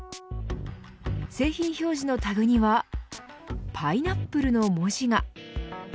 製品表示のタグにはパイナップルの文字が。